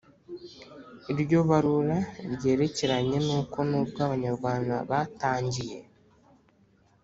iryo barura ryerekanye ko n'ubwo abanyarwanda batangiye